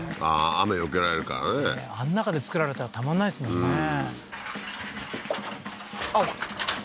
雨避けられるからねあの中で作られたらたまんないですもんねふふ